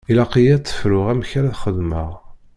Ilaq-iyi ad tt-fruɣ amek ara xedmeɣ.